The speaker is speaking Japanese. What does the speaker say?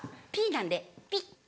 なんで「ピ」。